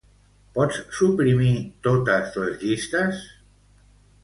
Pots suprimir totes les llistes?